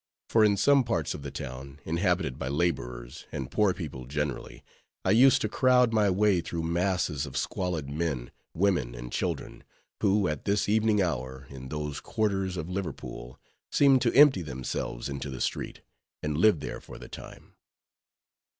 For in some parts of the town, inhabited by laborers, and poor people generally; I used to crowd my way through masses of squalid men, women, and children, who at this evening hour, in those quarters of Liverpool, seem to empty themselves into the street, and live there for the time.